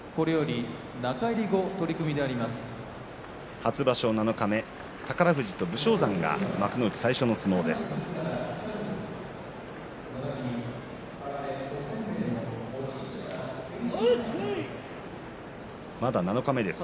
初場所七日目宝富士と武将山が幕内最初の相撲です。